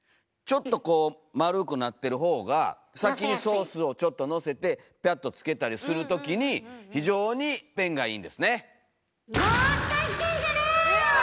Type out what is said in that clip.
ちょっとこう丸くなってるほうが先にソースをちょっとのせてピャッとつけたりするときに非常に便がいいんですね。